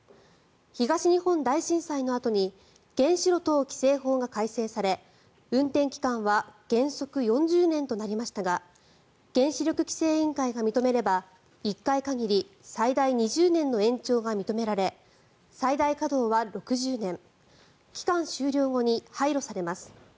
東日本大震災のあとに原子炉等規制法が改正され運転期間は原則４０年となりましたが原子力規制委員会が認めれば１回限り最大２０年の延長が認められ最大稼働は６０年期間終了後に廃炉されます。